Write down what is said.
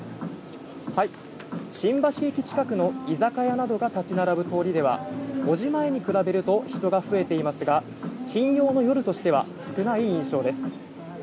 新橋駅近くの居酒屋などが建ち並ぶ通りでは、５時前に比べると人が増えていますが、金曜の夜としては少ない印象です。